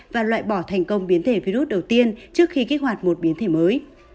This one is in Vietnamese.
và loại bỏ thành công biến thể virus đầu tiên trước khi kích hoạt một biến thể mới